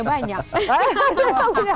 saya punya banyak